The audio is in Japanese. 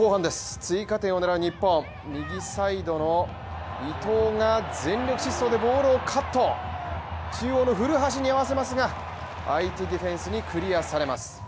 追加点を狙う日本右サイドの伊東が全力疾走でボールをカット、中央の古橋に合わせますが、相手ディフェンスにクリアされます。